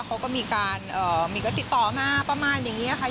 เขาก็มีการติดต่อมาประมาณอย่างนี้ค่ะ